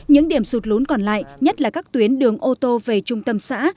những điểm sụt lún còn lại nhất là các tuyến đường ô tô về trung tâm xã